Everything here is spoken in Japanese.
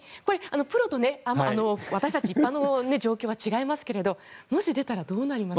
プロと私たち一般の状況は違いますがもし出たらどうなりますか。